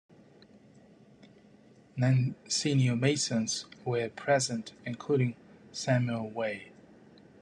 Nine senior Masons were present, including Samuel Way.